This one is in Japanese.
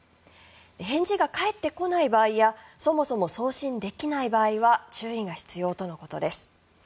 返事が返ってこない場合やそもそも送信できない場合は注意が必要とのことです。